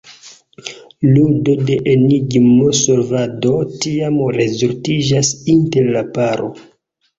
Ludo de enigmo-solvado tiam rezultiĝas inter la paro.